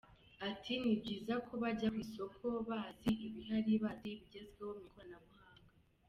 Ati “Ni byiza ko bajya ku isoko bazi ibihari, bazi ibigezweho mu ikoranabuhanga.